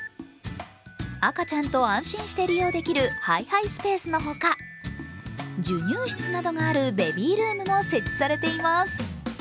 赤ちゃんと安心して利用できるハイハイスペースのほか、授乳室などがあるベビールームも設置されています。